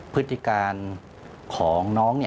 พฤติการของน้อง